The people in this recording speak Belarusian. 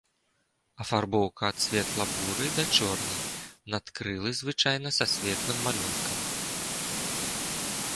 Афарбоўка ад светла-бурай да чорнай, надкрылы звычайна са светлым малюнкам.